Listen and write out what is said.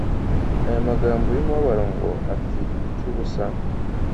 Aya magambo y'umubabaro ngo: "Apfiriye iki ubusa?